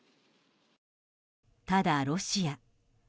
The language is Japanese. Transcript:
ただ、ロシア。